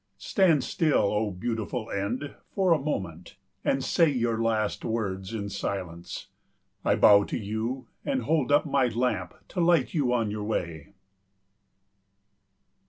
Stand still, O Beautiful End, for a moment, and say your last words in silence. I bow to you and hold up my lamp to light you on your way.